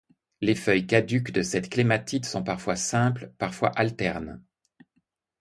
Les feuilles caducs de cette clématite sont parfois simple, parfois alternes.